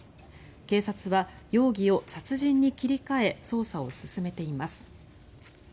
警察は容疑を殺人に切り替え捜査を進めています。